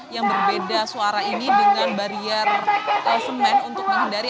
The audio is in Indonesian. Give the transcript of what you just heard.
yang berbeda suara ini dengan barier semen untuk menghindari